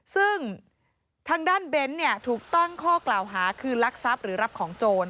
ซึ่งทางด้านเบนท์ถูกตั้งข้อกล่าวหาคือลักทรัพย์หรือรับของโจร